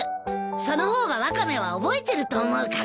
その方がワカメは覚えてると思うから。